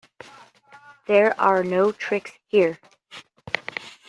There are no tricks here.